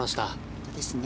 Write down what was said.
本当ですね。